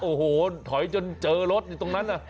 โอ้โหถอยจนเจอรถตรงนั้น